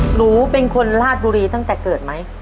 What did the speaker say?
หนูเป็นคนราชบุรีตั้งแต่เกิดไหม